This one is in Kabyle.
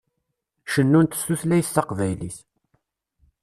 Cennunt s tutlayt taqbaylit.